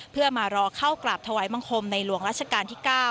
เพื่อมารอเข้ากราบถวายบังคมในหลวงรัชกาลที่๙